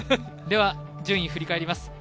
では、順位振り返ります。